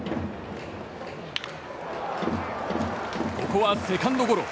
ここはセカンドゴロ。